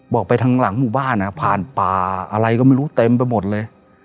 บอกไปทางหลังหมู่บ้านผ่านป่าอะไรก็ไม่รู้เต็มไปหมดเลย